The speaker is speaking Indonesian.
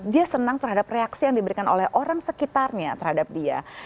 dia senang terhadap reaksi yang diberikan oleh orang sekitarnya terhadap dia